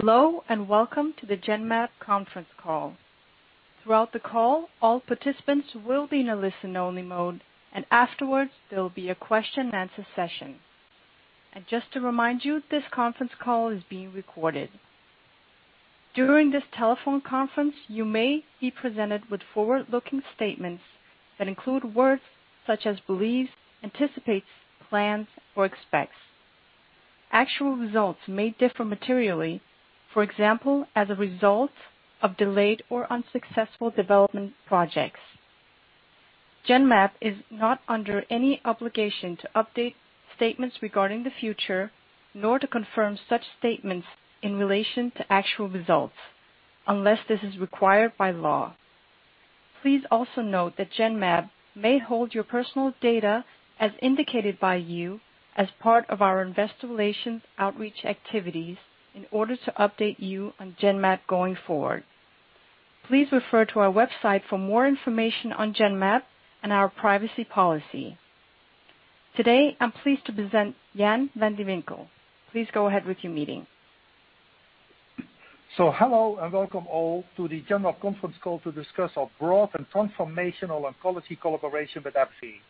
Hello, welcome to the Genmab conference call. Throughout the call, all participants will be in a listen-only mode. Afterwards, there will be a question and answer session. Just to remind you, this conference call is being recorded. During this telephone conference, you may be presented with forward-looking statements that include words such as believes, anticipates, plans, or expects. Actual results may differ materially, for example, as a result of delayed or unsuccessful development projects. Genmab is not under any obligation to update statements regarding the future, nor to confirm such statements in relation to actual results unless this is required by law. Please also note that Genmab may hold your personal data as indicated by you as part of our investor relations outreach activities in order to update you on Genmab going forward. Please refer to our website for more information on Genmab and our privacy policy. Today, I'm pleased to present Jan van de Winkel. Please go ahead with your meeting. Hello and welcome all to the Genmab conference call to discuss our broad and transformational oncology collaboration with AbbVie.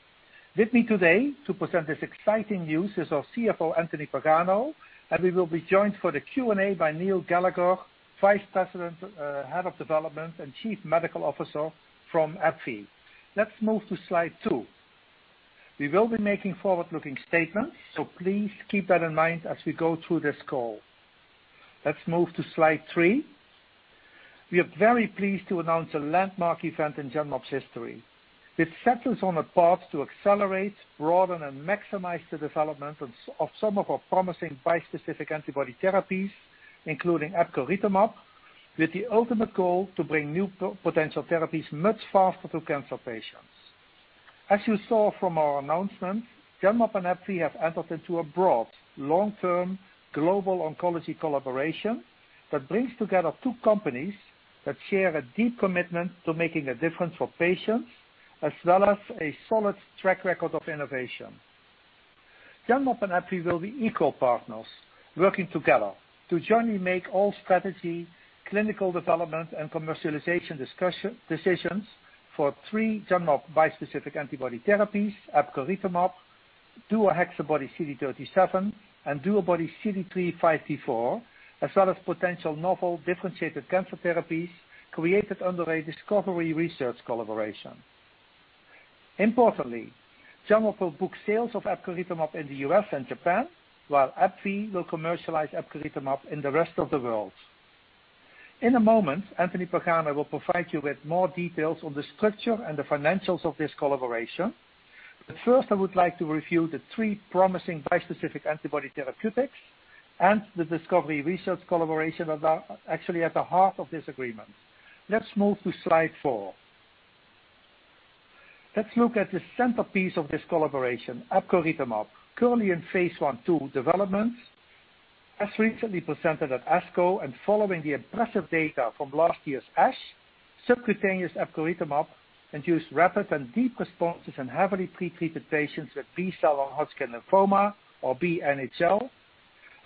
With me today to present this exciting news is our CFO, Anthony Pagano, and we will be joined for the Q&A by Neil Gallagher, Vice President, Head of Development, and Chief Medical Officer from AbbVie. Let's move to slide two. We will be making forward-looking statements, please keep that in mind as we go through this call. Let's move to slide three. We are very pleased to announce a landmark event in Genmab's history, which settles on a path to accelerate, broaden, and maximize the development of some of our promising bispecific antibody therapies, including epcoritamab, with the ultimate goal to bring new potential therapies much faster to cancer patients. As you saw from our announcement, Genmab and AbbVie have entered into a broad, long-term, global oncology collaboration that brings together two companies that share a deep commitment to making a difference for patients, as well as a solid track record of innovation. Genmab and AbbVie will be equal partners working together to jointly make all strategy, clinical development, and commercialization decisions for three Genmab bispecific antibody therapies, epcoritamab, DuoHexaBody-CD37, and DuoBody-CD3x5T4, as well as potential novel differentiated cancer therapies created under a discovery research collaboration. Importantly, Genmab will book sales of epcoritamab in the U.S. and Japan, while AbbVie will commercialize epcoritamab in the rest of the world. In a moment, Anthony Pagano will provide you with more details on the structure and the financials of this collaboration. First, I would like to review the three promising bispecific antibody therapeutics and the discovery research collaboration that are actually at the heart of this agreement. Let's move to slide 4. Let's look at the centerpiece of this collaboration, epcoritamab, currently in phase I/II development. As recently presented at ASCO and following the impressive data from last year's ASH, subcutaneous epcoritamab induced rapid and deep responses in heavily pretreated patients with B-cell or Hodgkin lymphoma or B-NHL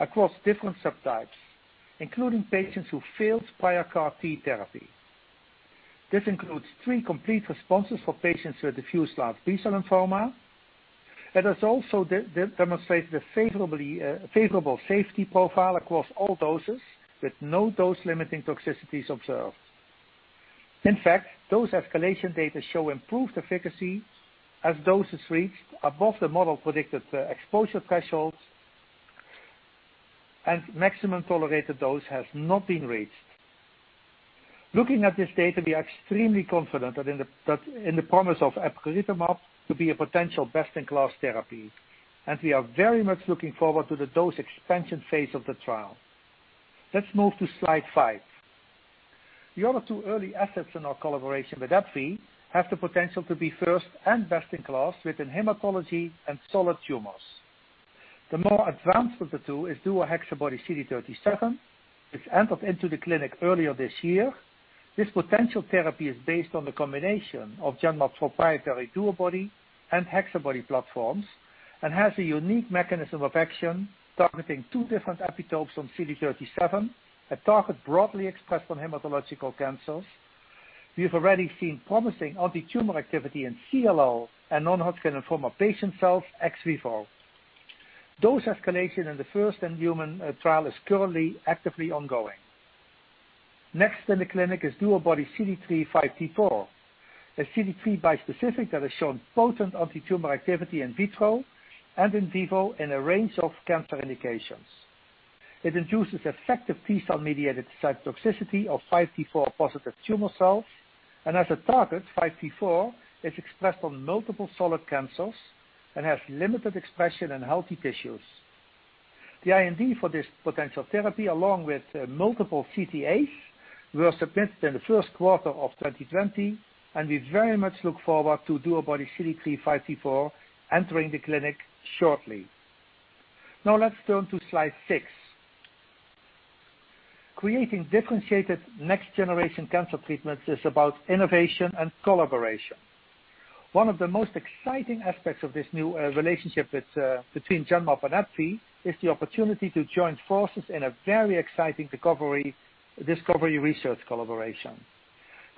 across different subtypes, including patients who failed prior CAR T therapy. This includes 3 complete responses for patients with diffuse large B-cell lymphoma, and has also demonstrated a favorable safety profile across all doses, with no dose-limiting toxicities observed. In fact, dose escalation data show improved efficacy as doses reached above the model-predicted exposure thresholds, and maximum tolerated dose has not been reached. Looking at this data, we are extremely confident in the promise of epcoritamab to be a potential best-in-class therapy, and we are very much looking forward to the dose expansion phase of the trial. Let's move to slide 5. The other two early assets in our collaboration with AbbVie have the potential to be first and best in class within hematology and solid tumors. The more advanced of the two is DuoHexaBody-CD37, which entered into the clinic earlier this year. This potential therapy is based on the combination of Genmab's proprietary DuoBody and HexaBody platforms and has a unique mechanism of action targeting two different epitopes on CD37, a target broadly expressed on hematological cancers. We have already seen promising anti-tumor activity in CLL and non-Hodgkin lymphoma patient cells ex vivo. Dose escalation in the first human trial is currently actively ongoing. Next in the clinic is DuoBody-CD3x5T4, a CD3 bispecific that has shown potent anti-tumor activity in vitro and in vivo in a range of cancer indications. It induces effective T-cell-mediated cytotoxicity of 5T4-positive tumor cells, and as a target, 5T4 is expressed on multiple solid cancers and has limited expression in healthy tissues. The IND for this potential therapy, along with multiple CTAs, were submitted in the first quarter of 2020, and we very much look forward to DuoBody-CD3x5T4 entering the clinic shortly. Now let's turn to slide 6. Creating differentiated next-generation cancer treatments is about innovation and collaboration. One of the most exciting aspects of this new relationship between Genmab and AbbVie is the opportunity to join forces in a very exciting discovery research collaboration.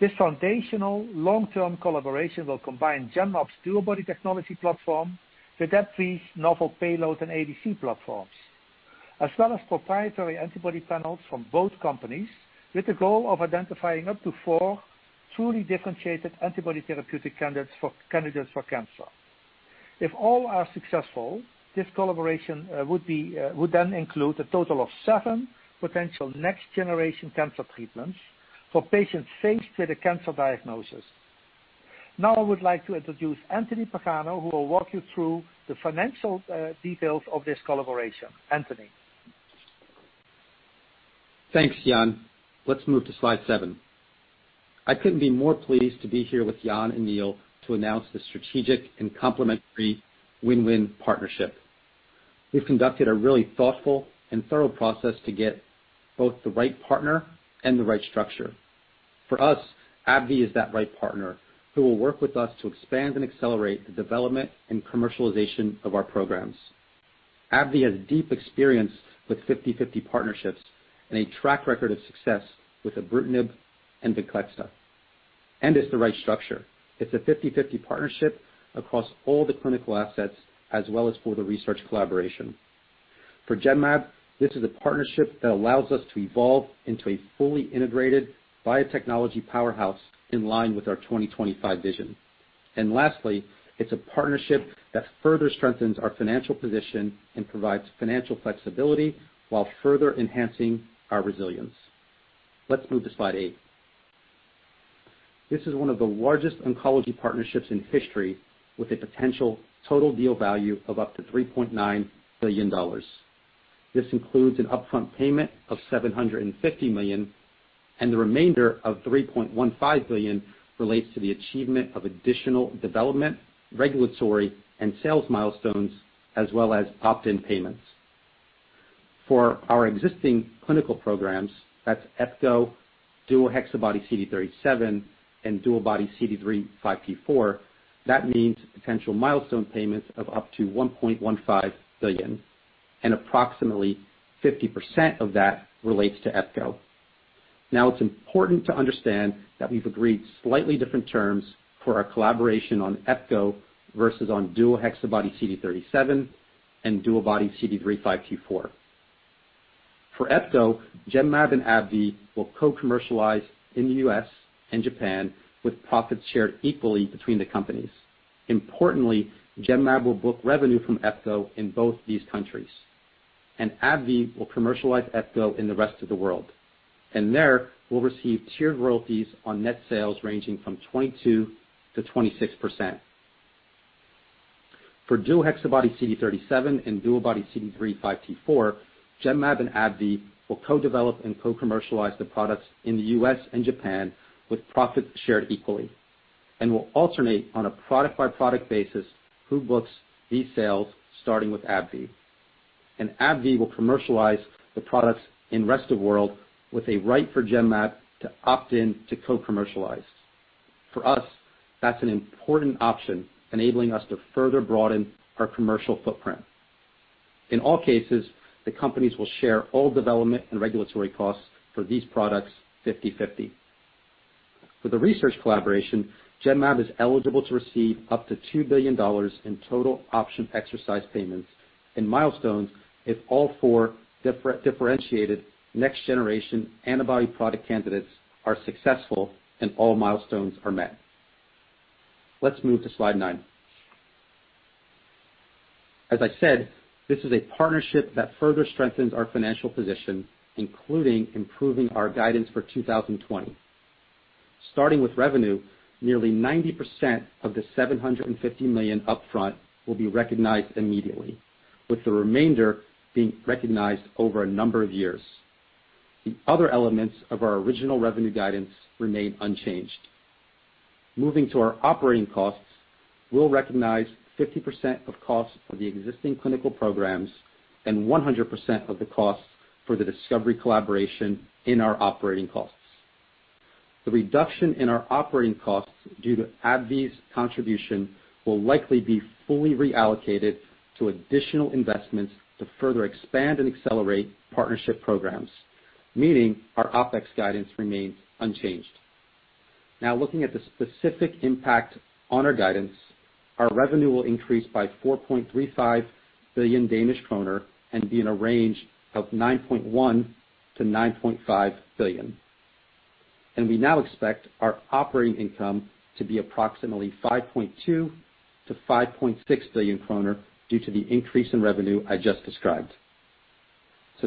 This foundational long-term collaboration will combine Genmab's DuoBody technology platform with AbbVie's novel payload and ADC platforms, as well as proprietary antibody panels from both companies, with the goal of identifying up to four truly differentiated antibody therapeutic candidates for cancer. If all are successful, this collaboration would then include a total of seven potential next-generation cancer treatments for patients faced with a cancer diagnosis. Now I would like to introduce Anthony Pagano, who will walk you through the financial details of this collaboration. Anthony. Thanks, Jan. Let's move to slide seven. I couldn't be more pleased to be here with Jan and Neil to announce this strategic and complementary win-win partnership. We've conducted a really thoughtful and thorough process to get both the right partner and the right structure. For us, AbbVie is that right partner who will work with us to expand and accelerate the development and commercialization of our programs. AbbVie has deep experience with 50/50 partnerships and a track record of success with ibrutinib and VENCLEXTA, and it's the right structure. It's a 50/50 partnership across all the clinical assets as well as for the research collaboration. For Genmab, this is a partnership that allows us to evolve into a fully integrated biotechnology powerhouse in line with our 2025 vision. Lastly, it's a partnership that further strengthens our financial position and provides financial flexibility while further enhancing our resilience. Let's move to slide eight. This is one of the largest oncology partnerships in history, with a potential total deal value of up to $3.9 billion. This includes an upfront payment of $750 million, and the remainder of $3.15 billion relates to the achievement of additional development, regulatory, and sales milestones, as well as opt-in payments. For our existing clinical programs, that's Epco, DuoHexaBody-CD37, and DuoBody-CD3x5T4. That means potential milestone payments of up to $1.15 billion, and approximately 50% of that relates to Epco. Now, it's important to understand that we've agreed slightly different terms for our collaboration on Epco versus on DuoHexaBody-CD37 and DuoBody-CD3x5T4. For Epco, Genmab and AbbVie will co-commercialize in the U.S. and Japan, with profits shared equally between the companies. Importantly, Genmab will book revenue from Epco in both these countries, and AbbVie will commercialize Epco in the rest of the world. There will receive tiered royalties on net sales ranging from 22%-26%. For DuoHexaBody-CD37 and DuoBody-CD3x5T4, Genmab and AbbVie will co-develop and co-commercialize the products in the U.S. and Japan, with profits shared equally, and will alternate on a product-by-product basis who books these sales, starting with AbbVie. AbbVie will commercialize the products in rest of world with a right for Genmab to opt in to co-commercialize. For us, that's an important option, enabling us to further broaden our commercial footprint. In all cases, the companies will share all development and regulatory costs for these products 50/50. For the research collaboration, Genmab is eligible to receive up to $2 billion in total option exercise payments and milestones if all four differentiated next-generation antibody product candidates are successful and all milestones are met. Let's move to slide nine. As I said, this is a partnership that further strengthens our financial position, including improving our guidance for 2020. Starting with revenue, nearly 90% of the $750 million upfront will be recognized immediately, with the remainder being recognized over a number of years. The other elements of our original revenue guidance remain unchanged. Moving to our operating costs, we'll recognize 50% of costs for the existing clinical programs and 100% of the costs for the discovery collaboration in our operating costs. The reduction in our operating costs due to AbbVie's contribution will likely be fully reallocated to additional investments to further expand and accelerate partnership programs, meaning our OpEx guidance remains unchanged. Looking at the specific impact on our guidance, our revenue will increase by 4.35 billion Danish kroner and be in a range of 9.1 billion-9.5 billion. We now expect our operating income to be approximately 5.2 billion-5.6 billion kroner due to the increase in revenue I just described.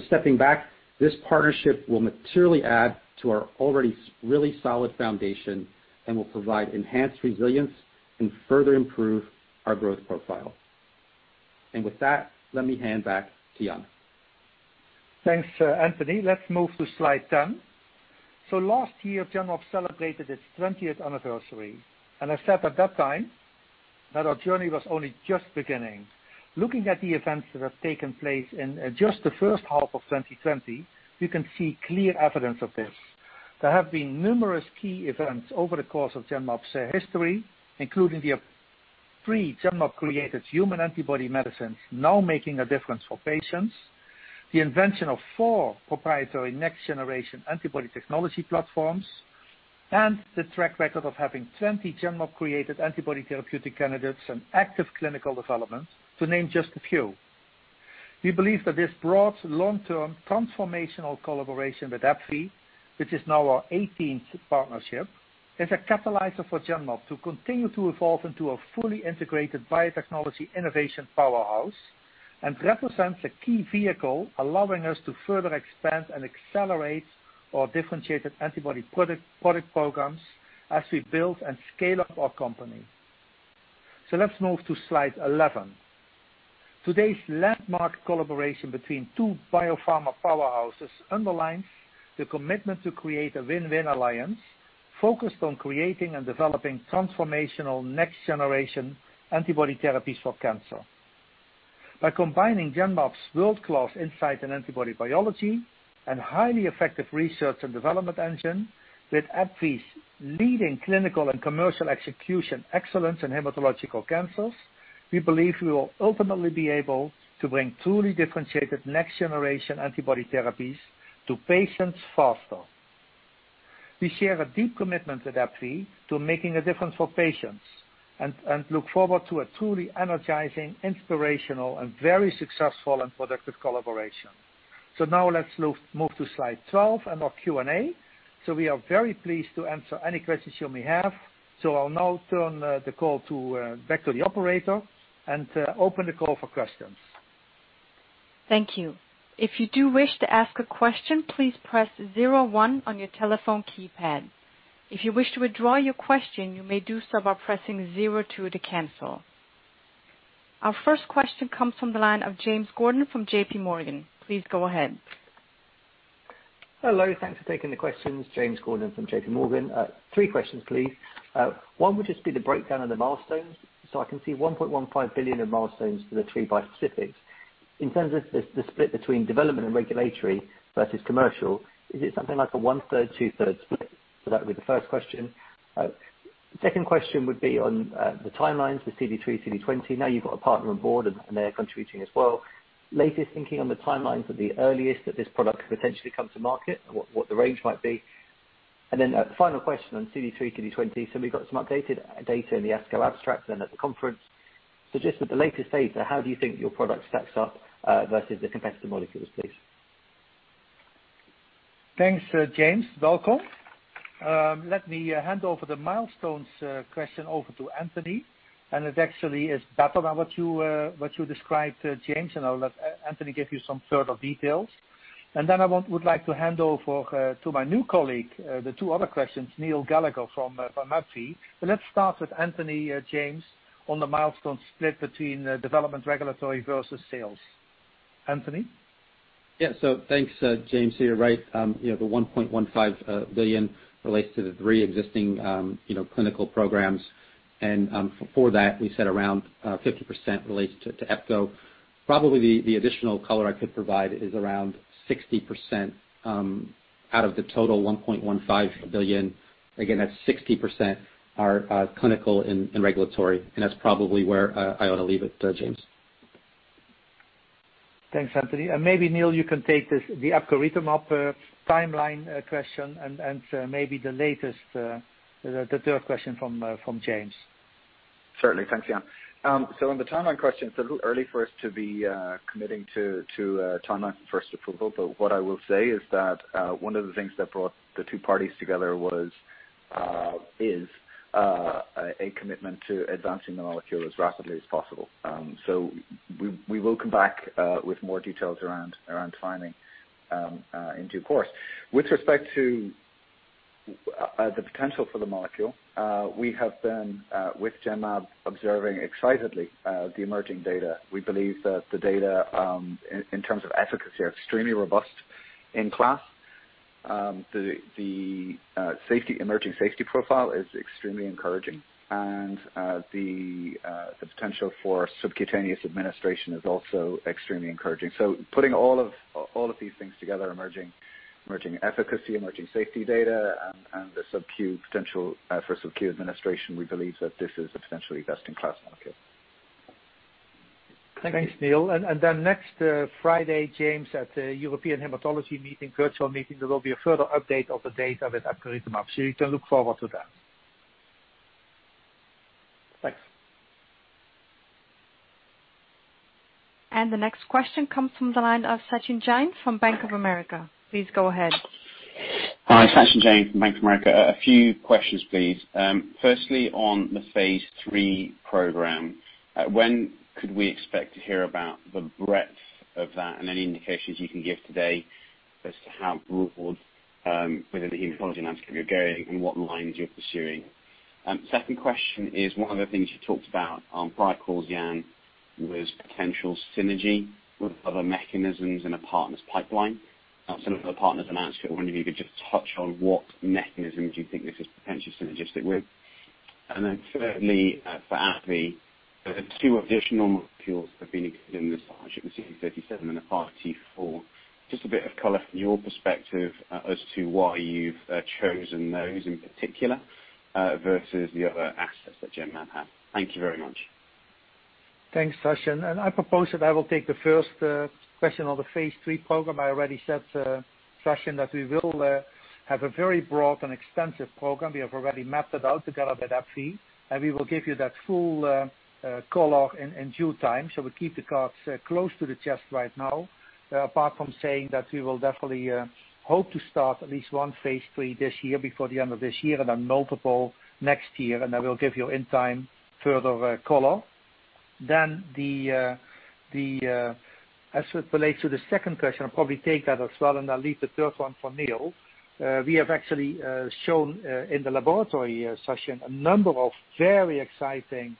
Stepping back, this partnership will materially add to our already really solid foundation and will provide enhanced resilience and further improve our growth profile. With that, let me hand back to Jan. Thanks, Anthony. Let's move to slide 10. Last year, Genmab celebrated its 20th anniversary, and I said at that time that our journey was only just beginning. Looking at the events that have taken place in just the first half of 2020, you can see clear evidence of this. There have been numerous key events over the course of Genmab's history, including the three Genmab-created human antibody medicines now making a difference for patients, the invention of four proprietary next-generation antibody technology platforms, and the track record of having 20 Genmab-created antibody therapeutic candidates in active clinical development, to name just a few. We believe that this broad, long-term transformational collaboration with AbbVie, which is now our 18th partnership, is a catalyzer for Genmab to continue to evolve into a fully integrated biotechnology innovation powerhouse, and represents a key vehicle allowing us to further expand and accelerate our differentiated antibody product programs as we build and scale up our company. Let's move to slide 11. Today's landmark collaboration between two biopharma powerhouses underlines the commitment to create a win-win alliance focused on creating and developing transformational next generation antibody therapies for cancer. By combining Genmab's world-class insight in antibody biology and highly effective research and development engine with AbbVie's leading clinical and commercial execution excellence in hematological cancers, we believe we will ultimately be able to bring truly differentiated next generation antibody therapies to patients faster. We share a deep commitment with AbbVie to making a difference for patients, and look forward to a truly energizing, inspirational, and very successful and productive collaboration. Now let's move to slide 12 and our Q&A. We are very pleased to answer any questions you may have. I'll now turn the call back to the operator and open the call for questions. Thank you. If you do wish to ask a question, please press 01 on your telephone keypad. If you wish to withdraw your question, you may do so by pressing 02 to cancel. Our first question comes from the line of James Gordon from J.P. Morgan. Please go ahead. Hello. Thanks for taking the questions. James Gordon from J.P. Morgan. Three questions, please. One would just be the breakdown of the milestones. I can see $1.15 billion in milestones for the three bispecifics. In terms of the split between development and regulatory versus commercial, is it something like a one-third, two-thirds split? That would be the first question. Second question would be on the timelines for CD3, CD20. Now you've got a partner on board, and they're contributing as well. Latest thinking on the timelines at the earliest that this product could potentially come to market, and what the range might be. Final question on CD3, CD20. We've got some updated data in the ASCO abstracts and at the conference. Just at the latest data, how do you think your product stacks up, versus the competitor molecules, please? Thanks, James. Welcome. Let me hand off the milestones question over to Anthony. It actually is better than what you described, James, and I'll let Anthony give you some further details. I would like to hand over to my new colleague the two other questions, Neil Gallagher from AbbVie. Let's start with Anthony, James, on the milestones split between development regulatory versus sales. Anthony? Yeah. Thanks, James. You're right. The $1.15 billion relates to the three existing clinical programs. For that, we said around 50% relates to Epco. Probably the additional color I could provide is around 60% out of the total $1.15 billion. That's 60% are clinical and regulatory, and that's probably where I ought to leave it, James. Thanks, Anthony. Maybe Neil, you can take the Epcoritamab timeline question and maybe the third question from James. Certainly. Thanks, Jan. On the timeline question, it's a little early for us to be committing to a timeline for first approval. What I will say is that, one of the things that brought the two parties together is a commitment to advancing the molecule as rapidly as possible. We will come back with more details around timing in due course. With respect to the potential for the molecule, we have been with Genmab observing excitedly, the emerging data. We believe that the data, in terms of efficacy, are extremely robust in class. The emerging safety profile is extremely encouraging, and the potential for subcutaneous administration is also extremely encouraging. Putting all of these things together, emerging efficacy, emerging safety data, and the subcu potential for subcu administration, we believe that this is a potentially best-in-class molecule. Thanks, Neil. Next Friday, James, at the European Hematology virtual meeting, there will be a further update of the data with Epcoritamab, you can look forward to that. Thanks. The next question comes from the line of Sachin Jain from Bank of America. Please go ahead. Hi. Sachin Jain from Bank of America. A few questions, please. Firstly, on the phase III program, when could we expect to hear about the breadth of that, and any indications you can give today as to how broad within the hematology landscape you're going and what lines you're pursuing? Second question is, one of the things you talked about on prior calls, Jan, was potential synergy with other mechanisms in a partner's pipeline. Looking at the partner landscape, I wonder if you could just touch on what mechanisms you think this is potentially synergistic with. Thirdly, for AbbVie, two additional molecules have been included in this CD37 and a 5T4. Just a bit of color from your perspective as to why you've chosen those in particular versus the other assets that Genmab had. Thank you very much. Thanks, Sachin. I propose that I will take the first question on the phase III program. I already said, Sachin, that we will have a very broad and extensive program. We have already mapped it out together with AbbVie, and we will give you that full color in due time. We keep the cards close to the chest right now, apart from saying that we will definitely hope to start at least one phase III this year, before the end of this year, multiple next year, and I will give you in time further color. As it relates to the second question, I'll probably take that as well, and I'll leave the third one for Neil. We have actually shown in the laboratory, Sachin, a number of very exciting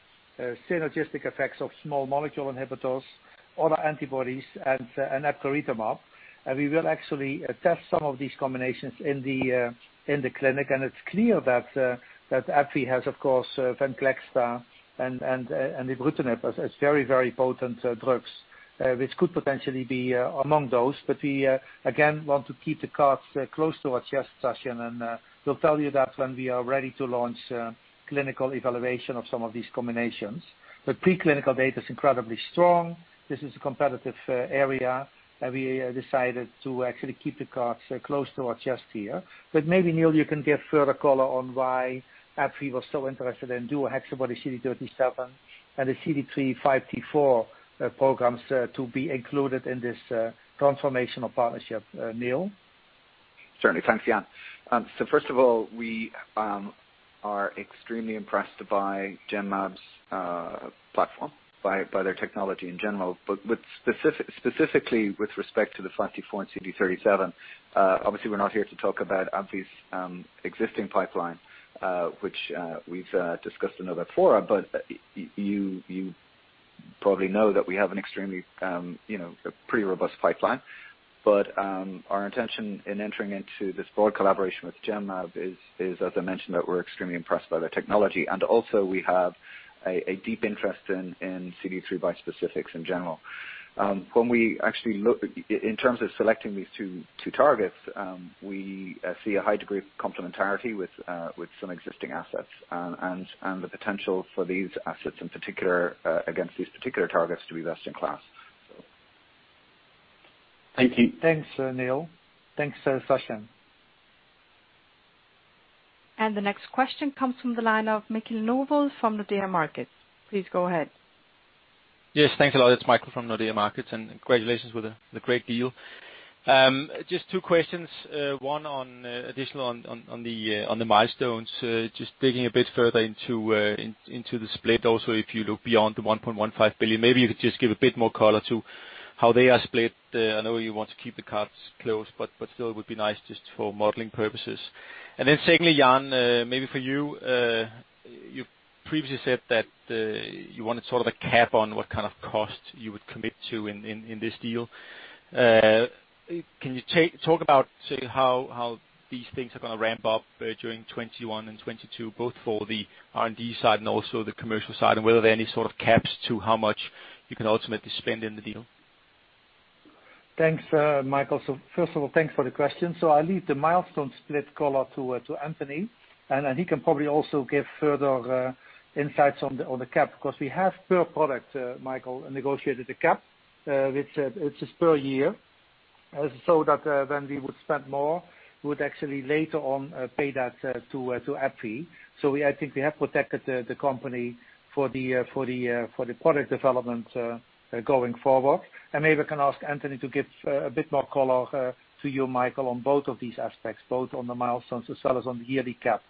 synergistic effects of small molecule inhibitors, other antibodies, and epcoritamab. We will actually test some of these combinations in the clinic. It's clear that AbbVie has, of course, VENCLEXTA and ibrutinib as very potent drugs, which could potentially be among those. We, again, want to keep the cards close to our chest, Sachin, and we'll tell you that when we are ready to launch clinical evaluation of some of these combinations. The pre-clinical data is incredibly strong. This is a competitive area, and we decided to actually keep the cards close to our chest here. Maybe, Neil, you can give further color on why AbbVie was so interested in dual antibody CD37 and the CD3x5T4 programs to be included in this transformational partnership. Neil? Certainly. Thanks, Jan. First of all, we are extremely impressed by Genmab's platform, by their technology in general, but specifically with respect to the 5T4 and CD37. Obviously, we're not here to talk about AbbVie's existing pipeline, which we've discussed in other fora, but you probably know that we have a pretty robust pipeline. Our intention in entering into this broad collaboration with Genmab is, as I mentioned, that we're extremely impressed by their technology. Also we have a deep interest in CD3 bispecifics in general. In terms of selecting these two targets, we see a high degree of complementarity with some existing assets, and the potential for these assets against these particular targets to be best in class. Thank you. Thanks, Neil. Thanks, Sachin. The next question comes from the line of Michael Novod from Nordea Markets. Please go ahead. Yes, thanks a lot. It's Michael Novod from Nordea Markets, congratulations with the great deal. Just two questions. One additional on the milestones. Just digging a bit further into the split also, if you look beyond the $1.15 billion, maybe you could just give a bit more color to how they are split. I know you want to keep the cards close, but still it would be nice just for modeling purposes. Then secondly, Jan, maybe for you. You previously said that you wanted sort of a cap on what kind of cost you would commit to in this deal. Can you talk about, say, how these things are going to ramp up during 2021 and 2022, both for the R&D side and also the commercial side? Were there any sort of caps to how much you can ultimately spend in the deal? Thanks, Michael. First of all, thanks for the question. I'll leave the milestone split color to Anthony, and he can probably also give further insights on the cap, because we have per product, Michael, negotiated a cap, which is per year. That when we would spend more, we would actually later on pay that to AbbVie. I think we have protected the company for the product development going forward. Maybe I can ask Anthony to give a bit more color to you, Michael, on both of these aspects, both on the milestones as well as on the yearly cap.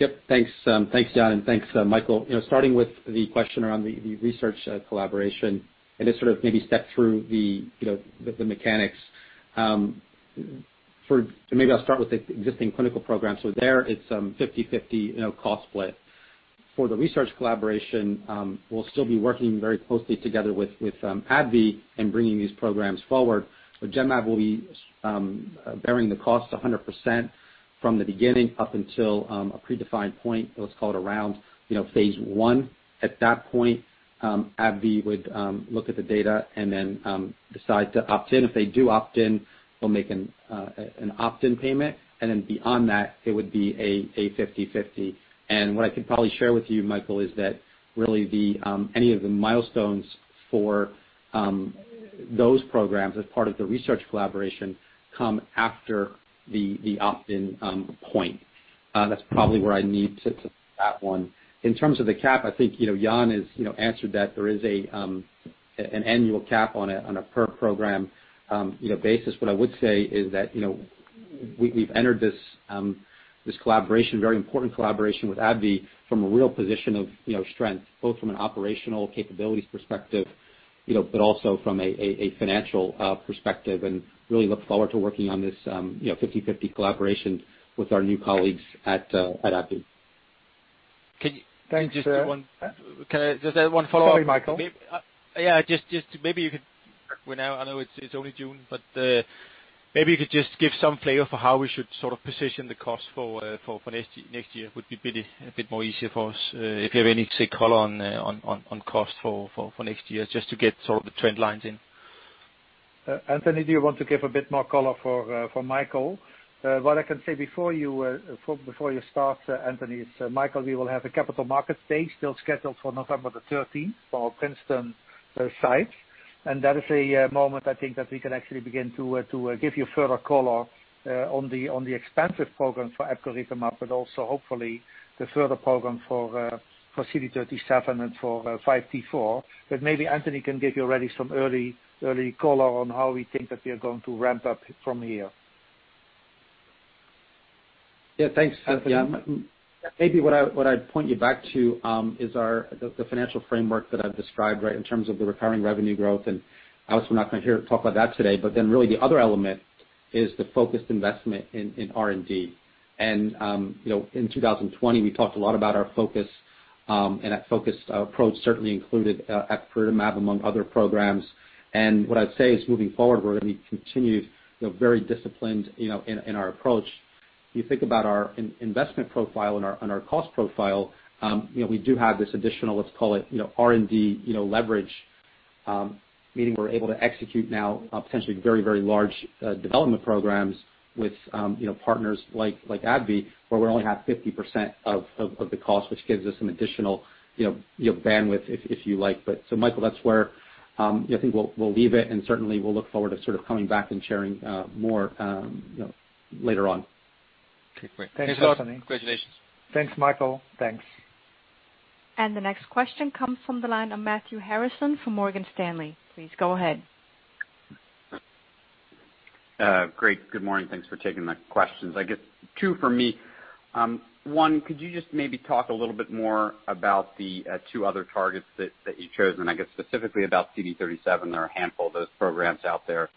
Yep. Thanks, Jan, and thanks, Michael. Starting with the question around the research collaboration, and just sort of maybe step through the mechanics. Maybe I'll start with the existing clinical program. There it's 50/50 cost split. For the research collaboration, we'll still be working very closely together with AbbVie in bringing these programs forward. Genmab will be bearing the cost 100% from the beginning up until a predefined point, let's call it around phase I. At that point, AbbVie would look at the data and then decide to opt in. If they do opt in, they'll make an opt-in payment, and then beyond that, it would be a 50/50. What I can probably share with you, Michael, is that really any of the milestones for those programs as part of the research collaboration come after the opt-in point. That's probably where I need to that one. In terms of the cap, I think Jan has answered that there is an annual cap on a per program basis. What I would say is that we've entered this very important collaboration with AbbVie from a real position of strength, both from an operational capabilities perspective but also from a financial perspective, and really look forward to working on this 50/50 collaboration with our new colleagues at AbbVie. Can you just do one? Thanks. Can I just add one follow-up? Sorry, Michael. Yeah. I know it's only June, maybe you could just give some flavor for how we should position the cost for next year. Would be a bit more easier for us, if you have any, say, color on cost for next year, just to get sort of the trend lines in. Anthony, do you want to give a bit more color for Michael? What I can say before you start, Anthony, is Michael, we will have a capital market day still scheduled for November the 13th for Princeton site. That is a moment, I think that we can actually begin to give you further color on the expansive program for epcoritamab, also hopefully the further program for CD37 and for 5T4. Maybe Anthony can give you already some early color on how we think that we are going to ramp up from here. Yeah, thanks. Maybe what I'd point you back to is the financial framework that I've described, right, in terms of the recurring revenue growth, and obviously we're not going to hear or talk about that today. Really the other element is the focused investment in R&D. In 2020, we talked a lot about our focus, and that focused approach certainly included epcoritamab among other programs. What I'd say is moving forward, we're going to be continued very disciplined in our approach. You think about our investment profile and our cost profile. We do have this additional, let's call it R&D leverage, meaning we're able to execute now potentially very large development programs with partners like AbbVie, where we only have 50% of the cost, which gives us some additional bandwidth if you like. Michael, that's where I think we'll leave it and certainly we'll look forward to sort of coming back and sharing more later on. Okay, great. Thanks a lot. Congratulations. Thanks, Michael. Thanks. The next question comes from the line of Matthew Harrison from Morgan Stanley. Please go ahead. Great. Good morning. Thanks for taking the questions. I guess two from me. One, could you just maybe talk a little bit more about the two other targets that you've chosen, I guess specifically about CD37? There are a handful of those programs out there.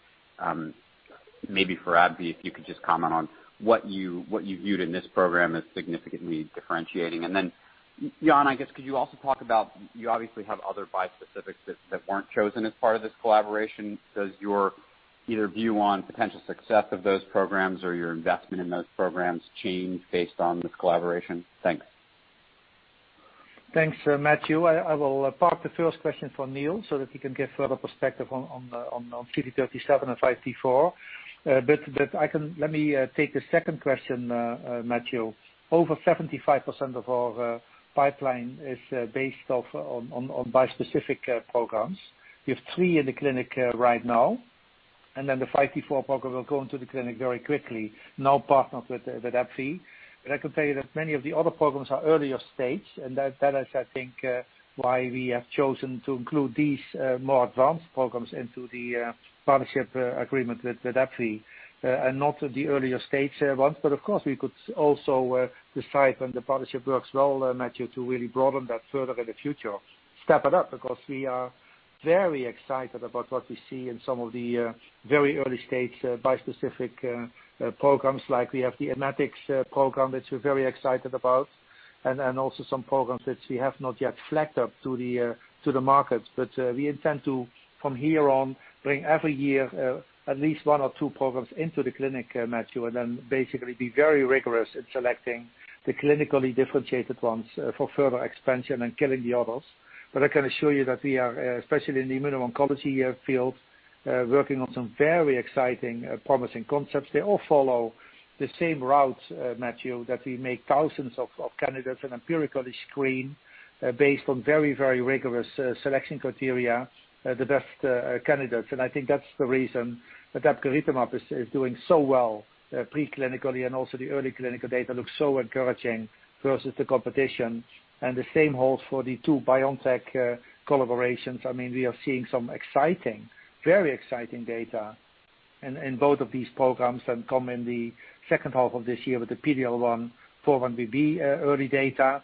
Maybe for AbbVie, if you could just comment on what you viewed in this program as significantly differentiating. Then Jan, I guess could you also talk about, you obviously have other bispecifics that weren't chosen as part of this collaboration. Does your either view on potential success of those programs or your investment in those programs change based on this collaboration? Thanks. Thanks, Matthew. I will park the first question for Neil so that he can give further perspective on CD37 and 5T4. Let me take the second question, Matthew. Over 75% of our pipeline is based on bispecific programs. We have three in the clinic right now, and then the 5T4 program will go into the clinic very quickly, now partnered with AbbVie. I can tell you that many of the other programs are earlier stage, and that is, I think why we have chosen to include these more advanced programs into the partnership agreement with AbbVie, and not the earlier stage ones. Of course, we could also decide when the partnership works well, Matthew, to really broaden that further in the future, step it up, because we are very excited about what we see in some of the very early stage bispecific programs. Like we have the Ematic program, which we're very excited about, and also some programs which we have not yet flagged up to the market. But we intend to, from here on, bring every year at least one or two programs into the clinic, Matthew, and then basically be very rigorous in selecting the clinically differentiated ones for further expansion and killing the others. But I can assure you that we are, especially in the immuno-oncology field, working on some very exciting, promising concepts. They all follow the same route, Matthew, that we make thousands of candidates and empirically screen, based on very rigorous selection criteria, the best candidates. And I think that's the reason that epcoritamab is doing so well pre-clinically and also the early clinical data looks so encouraging versus the competition, and the same holds for the two BioNTech collaborations. I mean, we are seeing some exciting, very exciting data in both of these programs and come in the second half of this year with the PD-L1, 4-1BB early data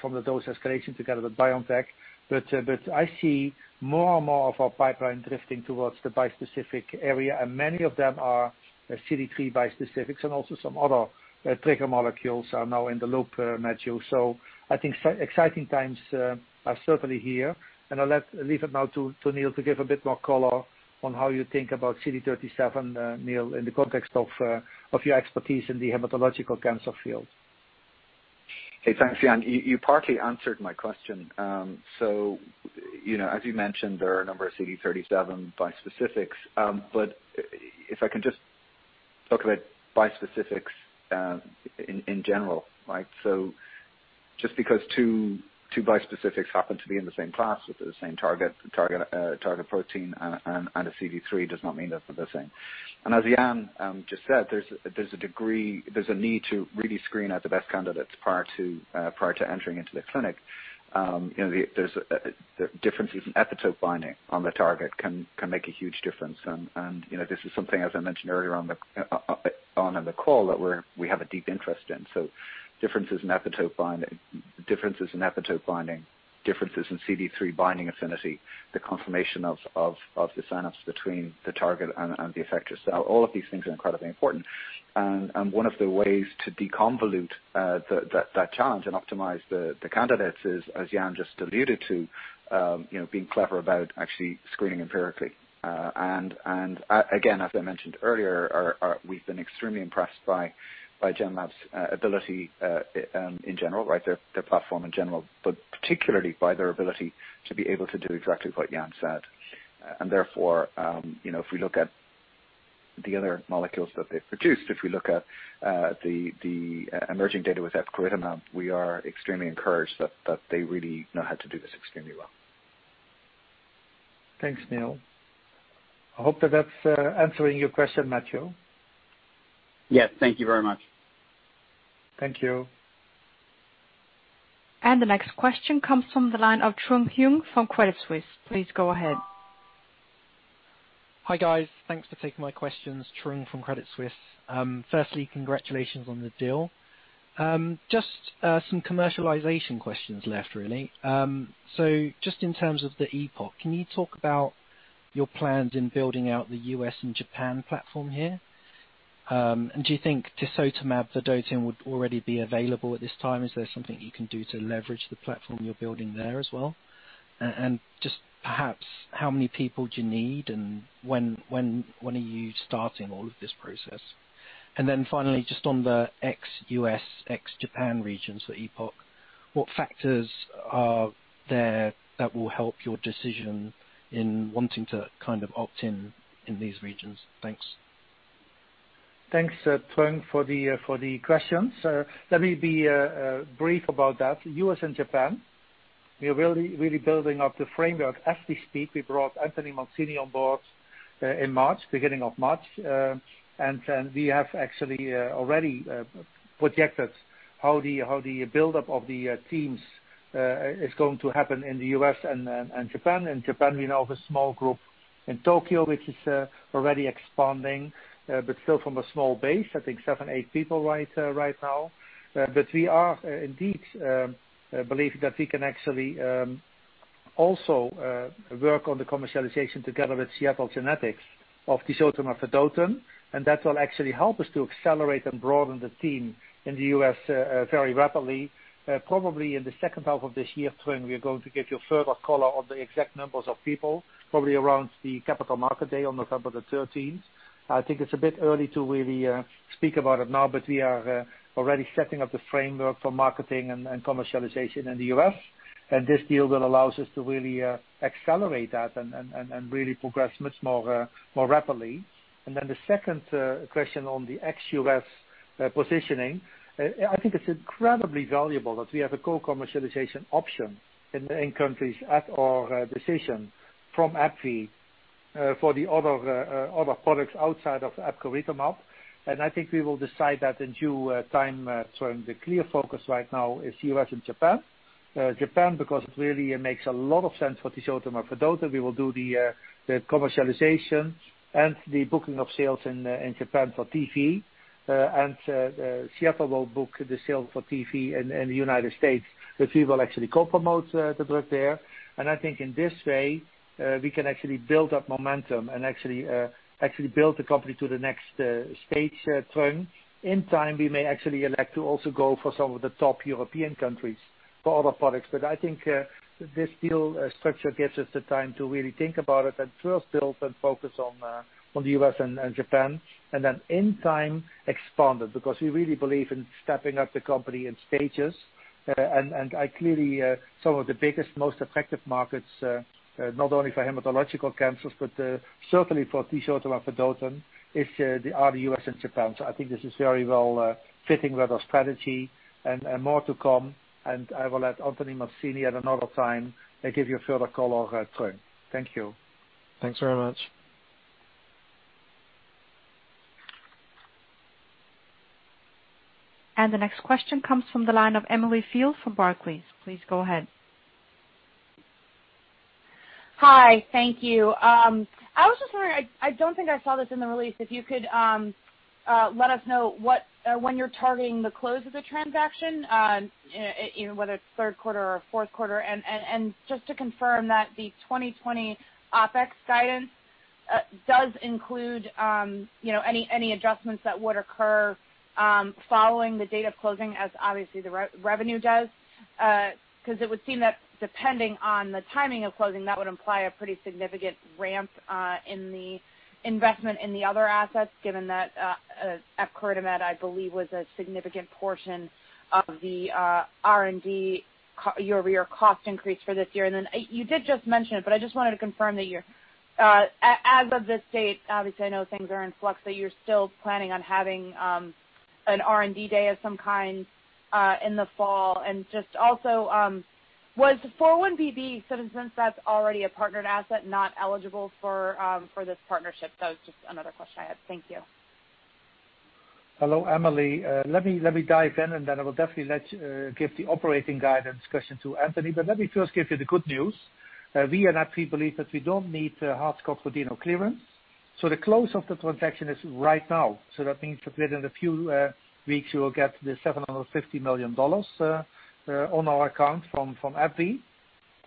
from the dose escalation together with BioNTech. But I see more and more of our pipeline drifting towards the bispecific area, and many of them are CD3 bispecifics and also some other trigger molecules are now in the loop, Matthew. So I think exciting times are certainly here. And I'll leave it now to Neil to give a bit more color on how you think about CD37, Neil, in the context of your expertise in the hematological cancer field. Hey, thanks, Jan. You partly answered my question. So, as you mentioned, there are a number of CD37 bispecifics. But if I can just talk about bispecifics in general, right? So just because two bispecifics happen to be in the same class with the same target protein and a CD3 does not mean that they're the same. And as Jan just said, there's a need to really screen out the best candidates prior to entering into the clinic. There's differences in epitope binding on the target can make a huge difference. And this is something, as I mentioned earlier on in the call, that we have a deep interest in. So differences in epitope binding, differences in CD3 binding affinity, the confirmation of the sign-ups between the target and the effector cell. All of these things are incredibly important. And one of the ways to deconvolute that challenge and optimize the candidates is, as Jan just alluded to, being clever about actually screening empirically. And again, as I mentioned earlier, we've been extremely impressed by Genmab's ability in general, their platform in general, but particularly by their ability to be able to do exactly what Jan said. Therefore, if we look at the other molecules that they've produced, if we look at the emerging data with epcoritamab, we are extremely encouraged that they really know how to do this extremely well. Thanks, Neil. I hope that that's answering your question, Matthew. Yes. Thank you very much. Thank you. The next question comes from the line of Trung Huynh from Credit Suisse. Please go ahead. Hi, guys. Thanks for taking my questions. Trung from Credit Suisse. Firstly, congratulations on the deal. Just some commercialization questions left, really. Just in terms of the EPOCH, can you talk about your plans in building out the U.S. and Japan platform here? Do you think tisotamab vedotin would already be available at this time? Is there something you can do to leverage the platform you're building there as well? Just perhaps how many people do you need, and when are you starting all of this process? Finally, just on the ex-U.S., ex-Japan regions for EPOCH, what factors are there that will help your decision in wanting to opt in in these regions? Thanks. Thanks, Trung, for the questions. Let me be brief about that. U.S. and Japan, we are really building up the framework as we speak. We brought Anthony Mancini on board beginning of March. We have actually already projected how the buildup of the teams is going to happen in the U.S. and Japan. In Japan, we now have a small group in Tokyo, which is already expanding, but still from a small base, I think seven, eight people right now. We are indeed believe that we can actually also work on the commercialization together with Seagen of tisotamab vedotin, and that will actually help us to accelerate and broaden the team in the U.S. very rapidly. Probably in the second half of this year, Trung, we are going to give you further color on the exact numbers of people, probably around the Capital Market Day on November the 13th. I think it's a bit early to really speak about it now, but we are already setting up the framework for marketing and commercialization in the U.S., and this deal will allow us to really accelerate that and really progress much more rapidly. The second question on the ex-U.S. positioning, I think it's incredibly valuable that we have a co-commercialization option in countries at our decision from AbbVie for the other products outside of epcoritamab. I think we will decide that in due time, Trung. The clear focus right now is U.S. and Japan. Japan, because it really makes a lot of sense for tisotamab vedotin. We will do the commercialization and the booking of sales in Japan for TV. Seagen will book the sale for TV in the U.S., but we will actually co-promote the drug there. I think in this way, we can actually build up momentum and actually build the company to the next stage, Trung. In time, we may actually elect to also go for some of the top European countries for other products. I think this deal structure gives us the time to really think about it and first build and focus on the U.S. and Japan. Then in time expand it, because we really believe in stepping up the company in stages. Clearly, some of the biggest, most effective markets, not only for hematological cancers, but certainly for tisotamab vedotin are the U.S. and Japan. I think this is very well fitting with our strategy and more to come, and I will let Anthony Mancini at another time give you further color, Trung. Thank you. Thanks very much. The next question comes from the line of Emily Field from Barclays. Please go ahead. Hi. Thank you. I was just wondering, I don't think I saw this in the release, if you could let us know when you're targeting the close of the transaction, whether it's third quarter or fourth quarter. Just to confirm that the 2020 OpEx guidance does include any adjustments that would occur following the date of closing as obviously the revenue does. Because it would seem that depending on the timing of closing, that would imply a pretty significant ramp in the investment in the other assets, given that epcoritamab, I believe, was a significant portion of the R&D year-over-year cost increase for this year. You did just mention it, but I just wanted to confirm that as of this date, obviously, I know things are in flux, that you're still planning on having an R&D day of some kind in the fall. Just also, was 4-1BB, since that's already a partnered asset, not eligible for this partnership? That was just another question I had. Thank you. Hello, Emily. Let me dive in. I will definitely give the operating guidance question to Anthony. Let me first give you the good news. We and AbbVie believe that we don't need Hart-Scott-Rodino clearance. The close of the transaction is right now. That means that within a few weeks, we will get the $750 million on our account from AbbVie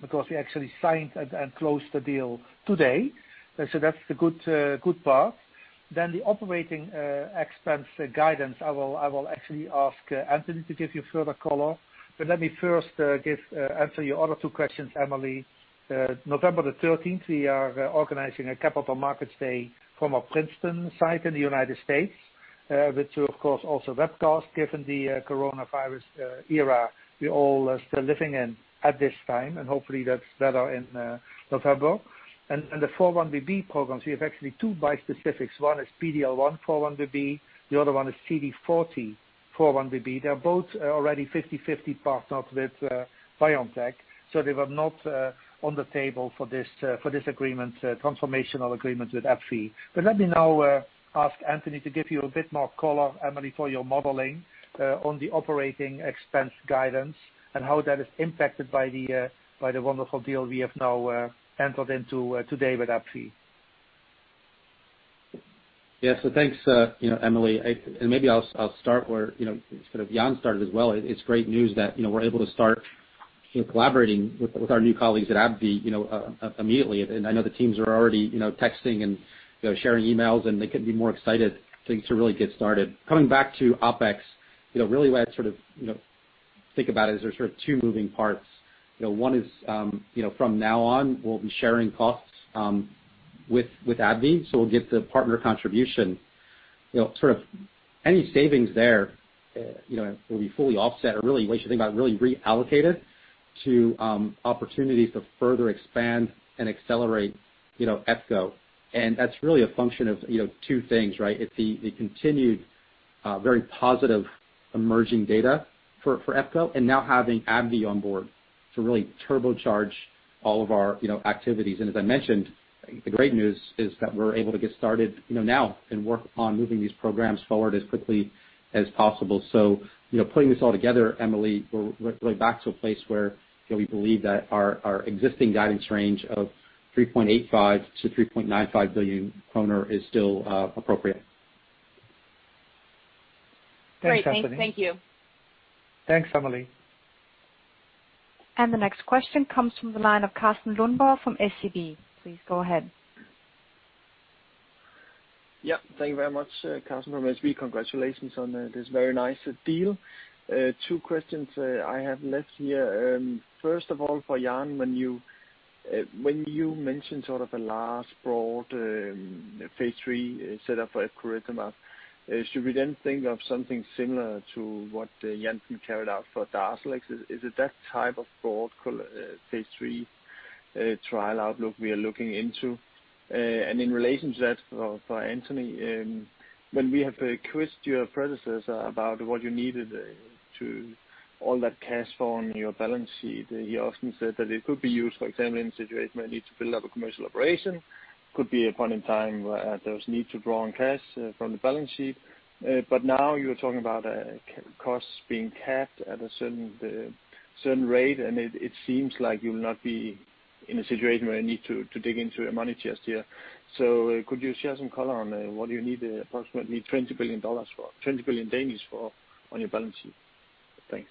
because we actually signed and closed the deal today. That's the good part. The operating expense guidance, I will actually ask Anthony to give you further color. Let me first answer your other two questions, Emily. November 13th, we are organizing a capital markets day from our Princeton site in the U.S. It will of course also webcast, given the coronavirus era we all are still living in at this time, and hopefully that's better in November. The 4-1BB programs, we have actually two bispecifics. One is PD-L1 4-1BB, the other one is CD40 4-1BB. They're both already 50-50 partnered with BioNTech, they were not on the table for this transformational agreement with AbbVie. Let me now ask Anthony to give you a bit more color, Emily, for your modeling on the operating expense guidance and how that is impacted by the wonderful deal we have now entered into today with AbbVie. Yeah. Thanks, Emily. Maybe I'll start where Jan started as well. It's great news that we're able to start collaborating with our new colleagues at AbbVie immediately. I know the teams are already texting and sharing emails, and they couldn't be more excited to really get started. Coming back to OpEx, really the way I think about it is there's sort of two moving parts. One is from now on we'll be sharing costs with AbbVie, so we'll get the partner contribution. Any savings there will be fully offset, or really the way you should think about it, really reallocated to opportunities to further expand and accelerate Epco. That's really a function of two things, right? It's the continued very positive emerging data for Epco, and now having AbbVie on board to really turbocharge all of our activities. As I mentioned, the great news is that we're able to get started now and work on moving these programs forward as quickly as possible. Putting this all together, Emily, we're right back to a place where we believe that our existing guidance range of 3.85 billion-3.95 billion kroner is still appropriate. Thanks, Anthony. Great. Thank you. Thanks, Emily. The next question comes from the line of Carsten Lønborg from SEB. Please go ahead. Thank you very much, Carsten from SEB. Congratulations on this very nice deal. Two questions I have left here. First of all, for Jan, when you mentioned sort of a last broad phase III setup for epcoritamab, should we then think of something similar to what Janssen carried out for DARZALEX? Is it that type of broad phase III trial outlook we are looking into? In relation to that, for Anthony, when we have quizzed your predecessor about what you needed to All that cash flow on your balance sheet, he often said that it could be used, for example, in a situation where you need to build up a commercial operation. Could be a point in time where there was need to draw on cash from the balance sheet. Now you're talking about costs being capped at a certain rate, and it seems like you'll not be in a situation where you need to dig into your money just yet. Could you share some color on what you need approximately DKK 20 billion for on your balance sheet? Thanks.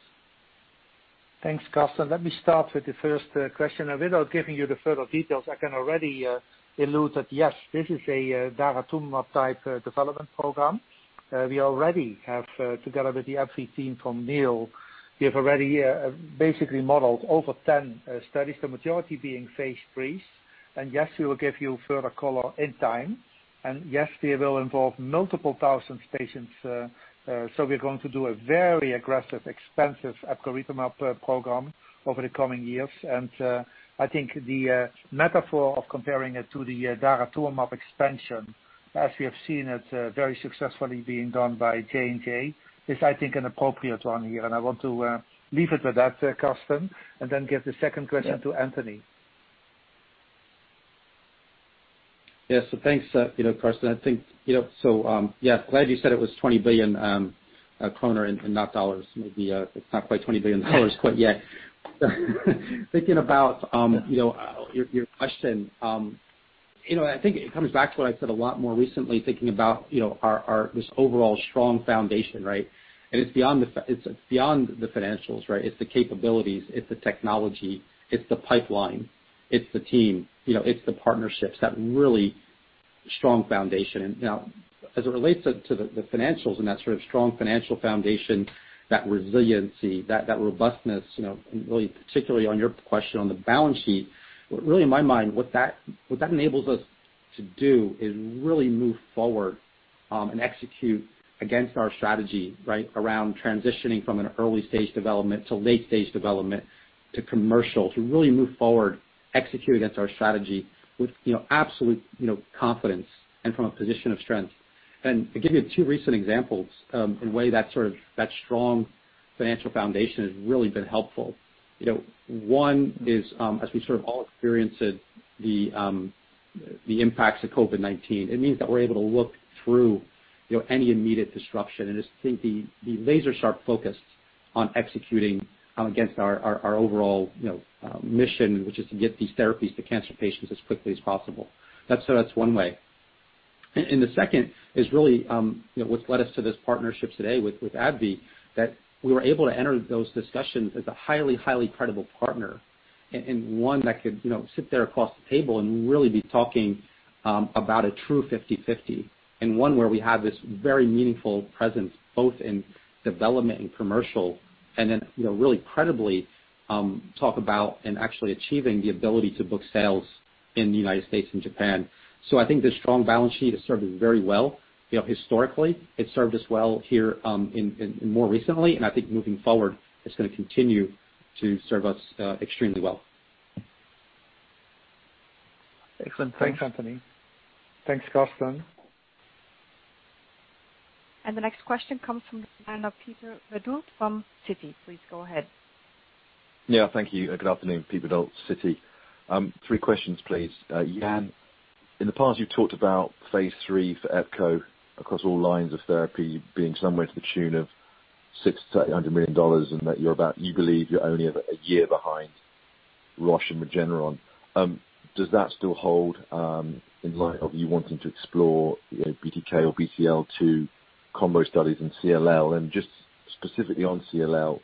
Thanks, Carsten. Let me start with the first question. Without giving you the further details, I can already allude that, yes, this is a daratumumab-type development program. We already have, together with the AbbVie team from Neil, we have already basically modeled over 10 studies, the majority being phase III. Yes, we will give you further color in time. Yes, they will involve multiple thousand patients. We're going to do a very aggressive, expensive epcoritamab program over the coming years. I think the metaphor of comparing it to the daratumumab expansion, as we have seen it very successfully being done by J&J, is, I think, an appropriate one here. I want to leave it with that, Carsten, and then give the second question to Anthony. Thanks, Carsten. I think, glad you said it was 20 billion kroner and not dollars. Maybe it's not quite $20 billion quite yet. Thinking about your question, I think it comes back to what I've said a lot more recently, thinking about this overall strong foundation, right? It's beyond the financials, right? It's the capabilities, it's the technology, it's the pipeline, it's the team, it's the partnerships, that really strong foundation. Now as it relates to the financials and that sort of strong financial foundation, that resiliency, that robustness, really particularly on your question on the balance sheet. Really in my mind, what that enables us to do is really move forward and execute against our strategy right around transitioning from an early-stage development to late-stage development to commercial, to really move forward, execute against our strategy with absolute confidence and from a position of strength. To give you two recent examples in a way that sort of that strong financial foundation has really been helpful. One is, as we sort of all experienced it, the impacts of COVID-19. It means that we're able to look through any immediate disruption and just think the laser sharp focus on executing against our overall mission, which is to get these therapies to cancer patients as quickly as possible. That's one way. The second is really what's led us to this partnership today with AbbVie, that we were able to enter those discussions as a highly credible partner, and one that could sit there across the table and really be talking about a true 50/50, and one where we have this very meaningful presence, both in development and commercial, and then really credibly talk about and actually achieving the ability to book sales in the U.S. and Japan. I think the strong balance sheet has served us very well historically. It served us well here more recently, and I think moving forward, it's going to continue to serve us extremely well. Excellent. Thanks, Anthony. Thanks, Carsten. The next question comes from the line of Peter Verdult from Citi. Please go ahead. Thank you. Good afternoon, Peter Weddle, Citi. Three questions, please. Jan, in the past, you've talked about phase III for epco across all lines of therapy being somewhere to the tune of 600 million to DKK 800 million, and that you believe you're only a year behind Roche and Regeneron. Does that still hold in light of you wanting to explore BTK or BCL-2 combo studies and CLL? Just specifically on CLL,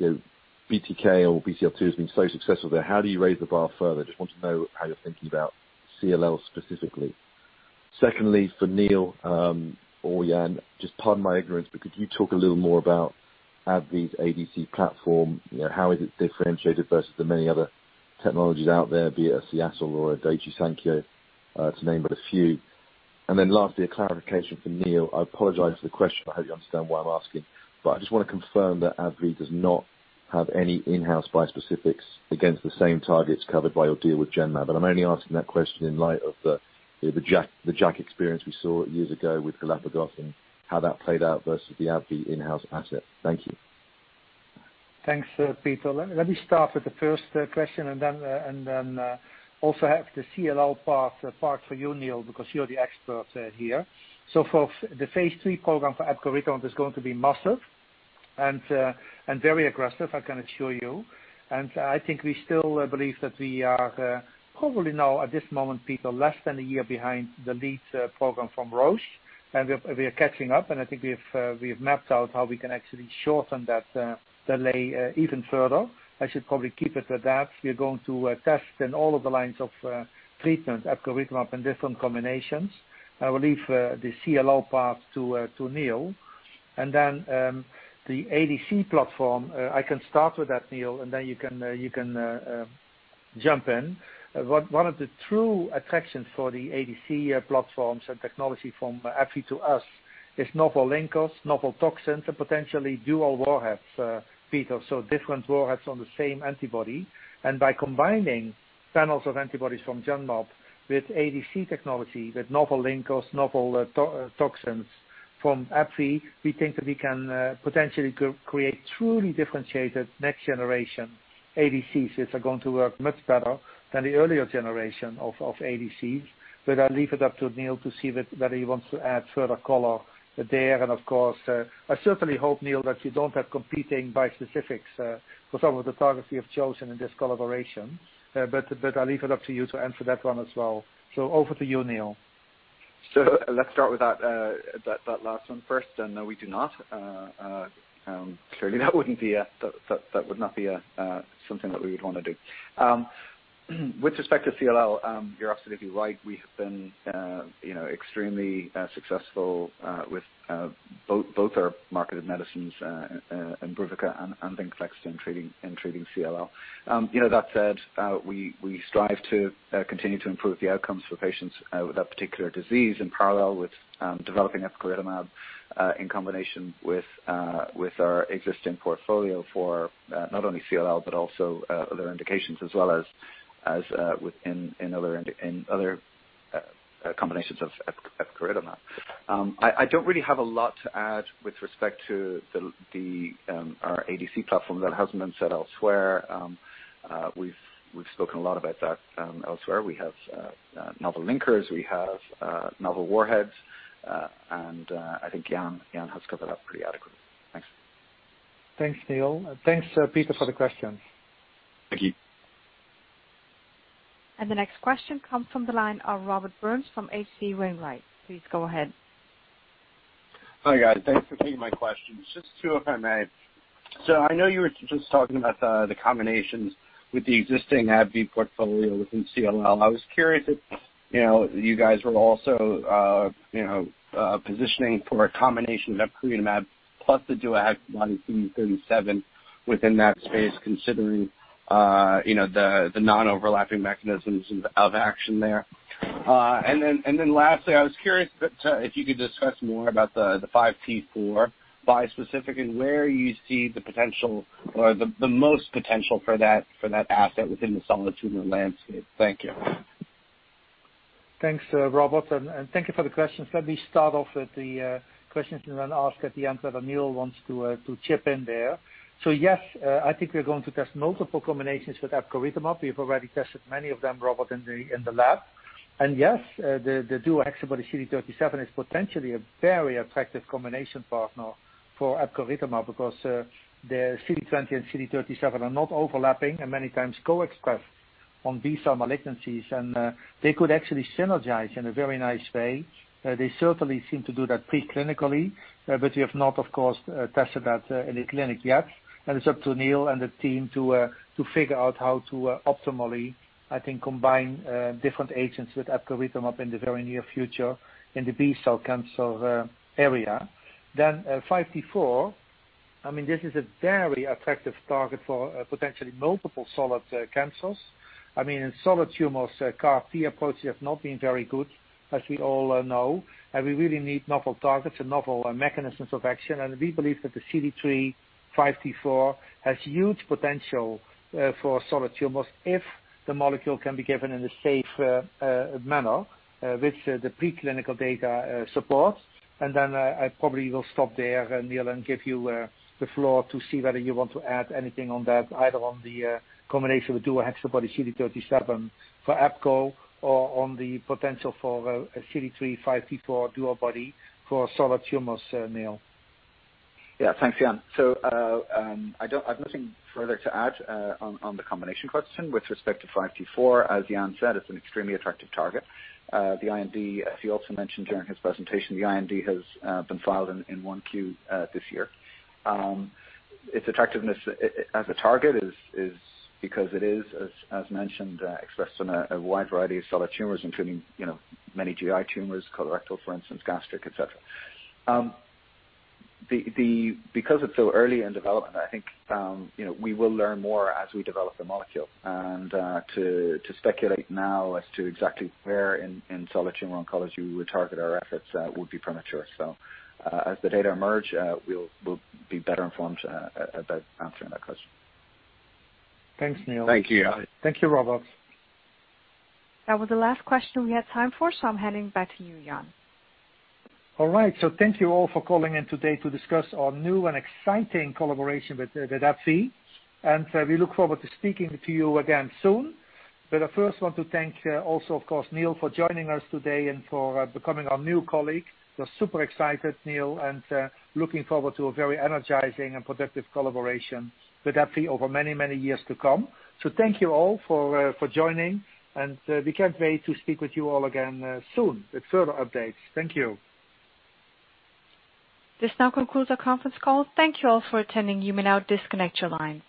BTK or BCL-2 has been so successful there. How do you raise the bar further? I just want to know how you're thinking about CLL specifically. Secondly, for Neil or Jan, just pardon my ignorance, but could you talk a little more about AbbVie's ADC platform? How is it differentiated versus the many other technologies out there, be it a Seagen or a Daiichi Sankyo, to name but a few. Lastly, a clarification for Neil. I apologize for the question. I hope you understand why I'm asking, but I just want to confirm that AbbVie does not have any in-house bispecifics against the same targets covered by your deal with Genmab. I'm only asking that question in light of the JAK experience we saw years ago with Galapagos and how that played out versus the AbbVie in-house asset. Thank you. Thanks, Peter. Let me start with the first question and then also have the CLL part for you, Neil, because you're the expert here. For the phase III program for epcoritamab is going to be massive and very aggressive, I can assure you. I think we still believe that we are probably now at this moment, Peter, less than a year behind the lead program from Roche, and we are catching up, and I think we've mapped out how we can actually shorten that delay even further. I should probably keep it at that. We are going to test in all of the lines of treatment, epcoritamab in different combinations. I will leave the CLL part to Neil. Then the ADC platform, I can start with that, Neil, and then you can jump in. One of the true attractions for the ADC platforms and technology from AbbVie to us is novel linkers, novel toxins, and potentially dual warheads, Peter, so different warheads on the same antibody. By combining panels of antibodies from Genmab with ADC technology, with novel linkers, novel toxins from AbbVie, we think that we can potentially create truly differentiated next generation ADCs, which are going to work much better than the earlier generation of ADCs. I'll leave it up to Neil to see whether he wants to add further color there. Of course, I certainly hope, Neil, that you don't have competing bispecifics for some of the targets you have chosen in this collaboration. I'll leave it up to you to answer that one as well. Over to you, Neil. Let's start with that last one first. No, we do not. Clearly that would not be something that we would want to do. With respect to CLL, you're absolutely right. We have been extremely successful with both our marketed medicines, IMBRUVICA and VENCLEXTA, in treating CLL. That said, we strive to continue to improve the outcomes for patients with that particular disease in parallel with developing epcoritamab in combination with our existing portfolio for not only CLL, but also other indications as well as within other combinations of epcoritamab. I don't really have a lot to add with respect to our ADC platform that hasn't been said elsewhere. We've spoken a lot about that elsewhere. We have novel linkers. We have novel warheads. I think Jan has covered that pretty adequately. Thanks. Thanks, Neil. Thanks, Peter, for the questions. Thank you. The next question comes from the line of Robert Burns from H.C. Wainwright. Please go ahead. Hi, guys. Thanks for taking my questions. Just two, if I may. I know you were just talking about the combinations with the existing AbbVie portfolio within CLL. I was curious if you guys were also positioning for a combination of epcoritamab plus the DuoHexaBody-CD37 within that space, considering the non-overlapping mechanisms of action there. Lastly, I was curious if you could discuss more about the 5T4 bispecific and where you see the potential or the most potential for that asset within the solid tumor landscape. Thank you. Thanks, Robert, and thank you for the question. Let me start off with the questions and then ask at the end whether Neil wants to chip in there. Yes, I think we're going to test multiple combinations with epcoritamab. We've already tested many of them, Robert, in the lab. Yes, the dual antibody CD37 is potentially a very attractive combination partner for epcoritamab because the CD20 and CD37 are not overlapping and many times co-expressed on B-cell malignancies. They could actually synergize in a very nice way. They certainly seem to do that pre-clinically, but we have not, of course, tested that in the clinic yet. It's up to Neil and the team to figure out how to optimally, I think, combine different agents with epcoritamab in the very near future in the B-cell cancer area. 5T4, this is a very attractive target for potentially multiple solid cancers. In solid tumors, CAR T approaches have not been very good, as we all know, and we really need novel targets and novel mechanisms of action. We believe that the CD3x5T4 has huge potential for solid tumors if the molecule can be given in a safe manner, which the pre-clinical data supports. I probably will stop there, Neil, and give you the floor to see whether you want to add anything on that, either on the combination with dual antibody CD37 for epco or on the potential for a CD3x5T4 DuoBody for solid tumors, Neil. Yeah, thanks, Jan. I've nothing further to add on the combination question. With respect to 5T4, as Jan said, it's an extremely attractive target. The IND, as he also mentioned during his presentation, the IND has been filed in 1Q this year. Its attractiveness as a target is because it is, as mentioned, expressed in a wide variety of solid tumors, including many GI tumors, colorectal, for instance, gastric, et cetera. Because it's so early in development, I think we will learn more as we develop the molecule. To speculate now as to exactly where in solid tumor oncology we would target our efforts would be premature. As the data emerge, we'll be better informed about answering that question. Thanks, Neil. Thank you. Thank you, Robert. That was the last question we had time for. I'm handing back to you, Jan. All right. Thank you all for calling in today to discuss our new and exciting collaboration with AbbVie, and we look forward to speaking to you again soon. I first want to thank also, of course, Neil, for joining us today and for becoming our new colleague. We're super excited, Neil, and looking forward to a very energizing and productive collaboration with AbbVie over many, many years to come. Thank you all for joining, and we can't wait to speak with you all again soon with further updates. Thank you. This now concludes our conference call. Thank you all for attending. You may now disconnect your line.